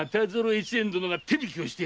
越前殿が手引きをして。